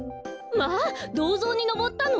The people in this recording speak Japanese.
まあどうぞうにのぼったの？